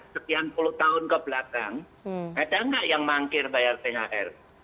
sekian puluh tahun kebelakang ada nggak yang mangkir bayar thr